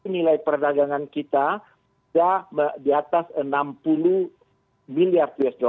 nilai perdagangan kita sudah di atas enam puluh miliar usd